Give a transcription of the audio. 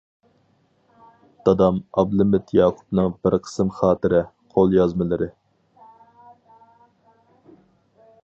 دادام ئابلىمىت ياقۇپنىڭ بىر قىسىم خاتىرە، قول يازمىلىرى.